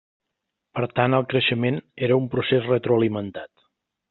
Per tant el creixement era un procés retroalimentat.